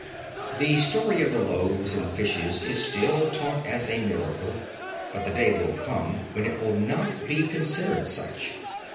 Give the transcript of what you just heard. The story of the loaves and fishes is still taught as a miracle, but the day will come when it will not be considered such.